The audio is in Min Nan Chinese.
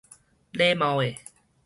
禮貌的